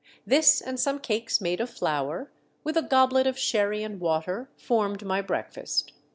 This and some cakes made of Hour, with a goblet of sherry and water, formed my breakfast.